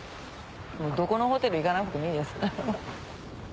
どこのホテル行かなくてもいいです。